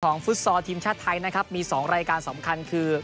ฟุตซอลทีมชาติไทยนะครับมี๒รายการสำคัญคือ